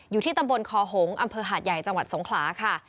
อยู่ที่ตำบลคอหงษ์อำเภอหาดใหญ่จังหวัดสงขลาค่ะ